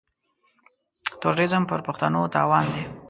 تروريزم پر پښتنو تاوان دی.